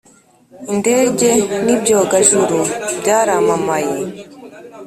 Indege n'ibyogajuru byaramamaye